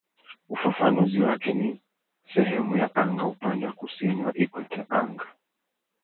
Ufafanuzi wake ni "sehemu ya anga upande wa kusini wa ikweta ya anga".